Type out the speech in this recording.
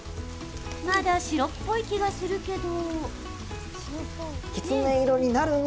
まだ白っぽい気がするけど。